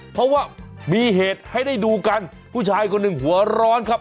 เพราะว่ามีเหตุให้ได้ดูกันผู้ชายคนหนึ่งหัวร้อนครับ